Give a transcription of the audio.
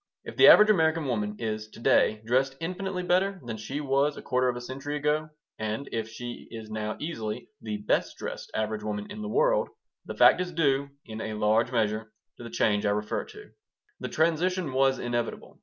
If the average American woman is to day dressed infinitely better than she was a quarter of a century ago, and if she is now easily the best dressed average woman in the world, the fact is due, in a large measure, to the change I refer to The transition was inevitable.